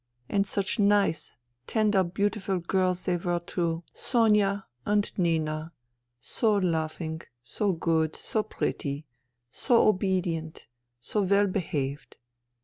And such nice, tender, beautiful girls they were too, Sonia and Nina, so loving, so good, so pretty, so obedient, so well behaved.